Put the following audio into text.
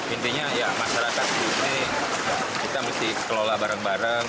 intinya ya masyarakat ini kita mesti kelola bareng bareng